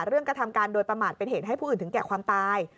กระทำการโดยประมาทเป็นเหตุให้ผู้อื่นถึงแก่ความตาย